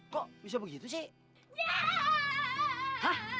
kok bisa begitu sih